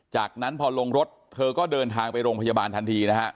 จากนั้นพอลงรถเธอก็เดินทางไปโรงพยาบาลทันทีนะฮะ